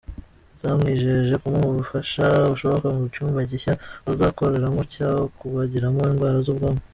Zamwijeje kumuha ubufasha bushoboka mu cyumba gishya azakoreramo cyo kubagiramo indwara z’ubwonko.